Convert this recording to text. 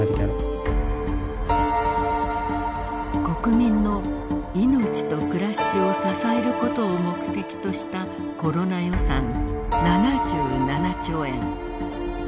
国民の命と暮らしを支えることを目的としたコロナ予算７７兆円。